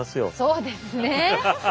そうですね。